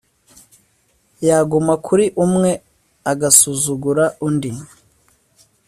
yaguma kuri umwe agasuzugura undi